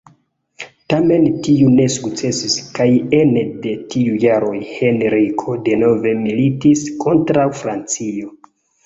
Tamen tiu ne sukcesis, kaj ene de du jaroj Henriko denove militis kontraŭ Francio.